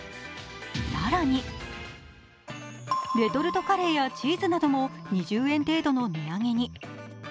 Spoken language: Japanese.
更にレトルトカレーやチーズなども２０円程度の値上げに。